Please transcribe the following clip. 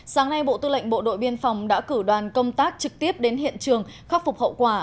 sáng nay bộ tư lệnh bộ đội biên phòng đã cử đoàn công tác trực tiếp đến hiện trường khắc phục hậu quả